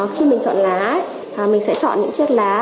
khi mình chọn lá mình sẽ chọn những chiếc lá